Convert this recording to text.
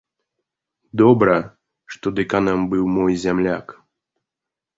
Добра, што дэканам быў мой зямляк.